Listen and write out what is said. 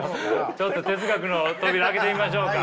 ちょっと哲学の扉開けてみましょうか。